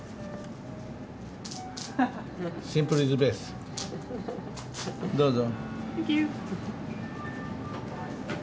シンプル・イズ・ベスト、どうぞ。